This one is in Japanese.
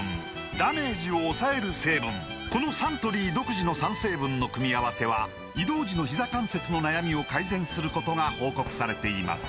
このサントリー独自の３成分の組み合わせは移動時のひざ関節の悩みを改善することが報告されています